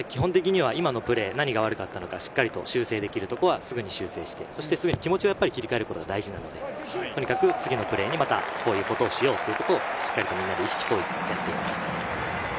今のプレー、何が悪かったのか、しっかり修正できるところはすぐに修正して、気持ちを切り替えることが大事なので、次のプレーにまた、こういうことをしようということをしっかりとみんなで意識統一しています。